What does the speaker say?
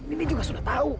ini dia sudah tahu